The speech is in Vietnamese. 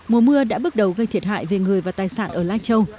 mùa mưa đã bước đầu gây thiệt hại về người và tài sản ở lai châu